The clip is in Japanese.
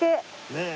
ねえ。